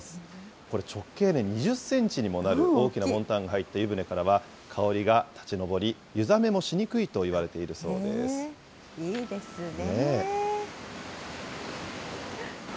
これ、直径２０センチにもなる大きなボンタンが入って、湯船からは香りが立ち上り、湯冷めもしにくいといわれているそういいですね。